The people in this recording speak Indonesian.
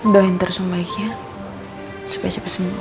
doain terus om baiknya supaya cepat sembuh